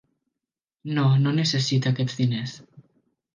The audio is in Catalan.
No, no necessito aquests diners.